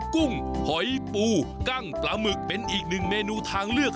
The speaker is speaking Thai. กุ้งหอยปูกั้งปลาหมึกเป็นอีกหนึ่งเมนูทางเลือก